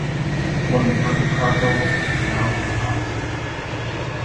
One important cargo on the canal was hops.